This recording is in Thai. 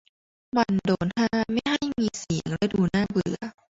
มันโดนห้ามไม่ให้มีเสียงและดูน่าเบื่อ